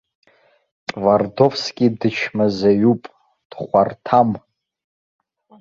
Твардовски дычмазаҩуп, дхәарҭам.